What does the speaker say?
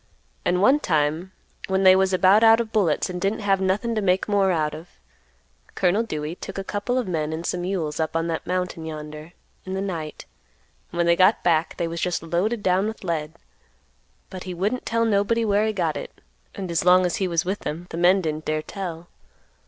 And one time when they was about out of bullets and didn't have nothin' to make more out of, Colonel Dewey took a couple of men and some mules up on that mountain yonder in the night, and when they got back they was just loaded down with lead, but he wouldn't tell nobody where he got it, and as long as he was with them, the men didn't dare tell.